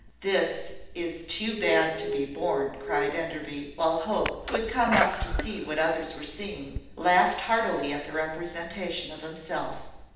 "This is too bad to be borne," cried Enderby; while Hope, who had come up to see what others were seeing, laughed heartily at the representative of himself.